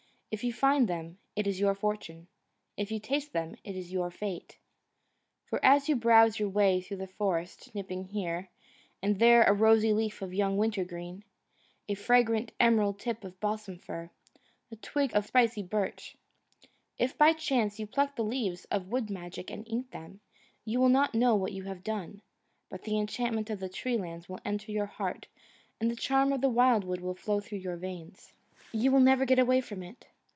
If you find them it is your fortune; if you taste them it is your fate. For as you browse your way through the forest, nipping here and there a rosy leaf of young winter green, a fragrant emerald tip of balsam fir, a twig of spicy birch, if by chance you pluck the leaves of Wood Magic and eat them, you will not know what you have done, but the enchantment of the tree land will enter your heart and the charm of the wildwood will flow through your veins. You will never get away from it.